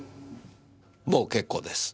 もう結構です。